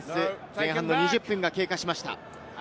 前半の２０分が経過しました。